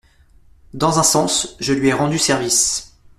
Dans un sens, je lui ai rendu service.